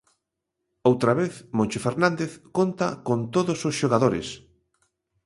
Outra vez Moncho Fernández conta con todos os xogadores.